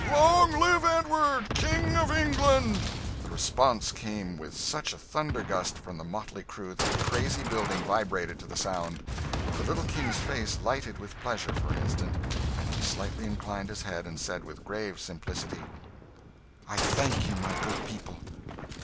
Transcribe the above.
'" "LONG LIVE EDWARD, KING OF ENGLAND!" The response came with such a thundergust from the motley crew that the crazy building vibrated to the sound. The little King's face lighted with pleasure for an instant, and he slightly inclined his head, and said with grave simplicity "I thank you, my good people."